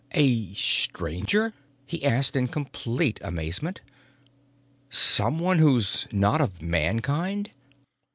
"A Stranger?" he asked in complete amazement. "Someone who's not of Mankind?"